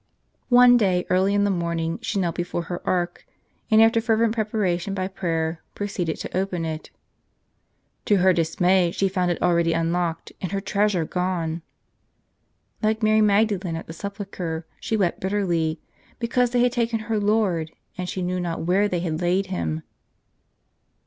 One day, early in the morning, she knelt before her ark ; and after fervent preparation by prayer, proceeded to open it. To her dismay she found it already unlocked, and her treasure gone ! Like Mary Magdalen at the sepulchre, she wept bit terly, because they had taken her Lord, and she knew not where they had laid Him.